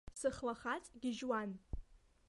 Сыхлахаҵ гьежьуан.